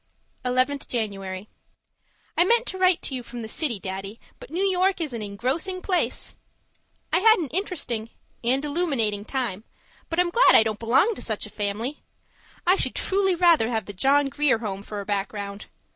11th January I meant to write to you from the city, Daddy, but New York is an engrossing place. I had an interesting and illuminating time, but I'm glad I don't belong to such a family! I should truly rather have the John Grier Home for a background.